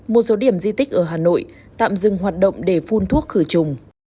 một số điểm di tích ở hà nội tạm dừng hoạt động để phun thuốc khử trùng